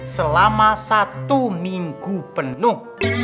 selama satu minggu penuh